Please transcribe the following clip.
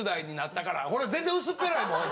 全然薄っぺらいもん。